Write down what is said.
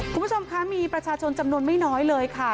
คุณผู้ชมคะมีประชาชนจำนวนไม่น้อยเลยค่ะ